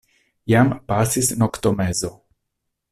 Jam pasis noktomezo.